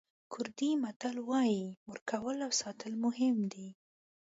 کوردي متل وایي ورکول او ساتل مهم دي.